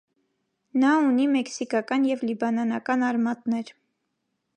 Նա ունի մեքսիկական և լիբանանական արմատներ։